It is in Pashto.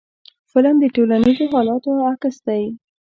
فلم د ټولنیزو حالاتو عکس دی